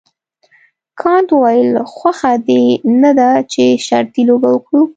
کانت وویل خوښه دې نه ده چې شرطي لوبه وکړو.